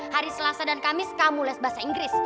hari selasa dan kamis kamu les bahasa inggris